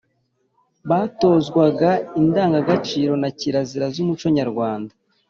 batozwaga indangagaciro na kirazira z’umuco nyarwanda.